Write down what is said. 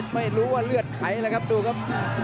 ไม่รู้ว่าเลือดไหลเลยครับดูครับ